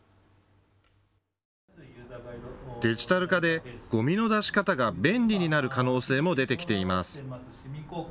デジタル化でゴミの出し方が便利になる可能性も出てきています。